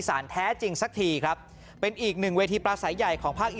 รับไวนะคะพี่น้องรับไวค่ะ